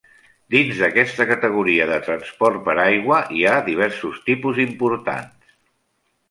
Dins d'aquesta categoria de transport per aigua hi ha diversos tipus importants.